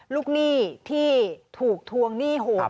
หนี้ที่ถูกทวงหนี้โหด